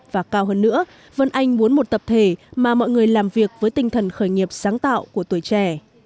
và cao hơn nữa vân anh muốn một tập thể mà mọi người làm việc với tinh thần khởi nghiệp sáng tạo của tuổi trẻ